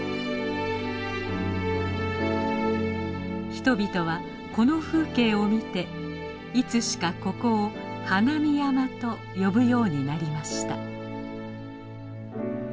人々はこの風景を見ていつしかここを「花見山」と呼ぶようになりました。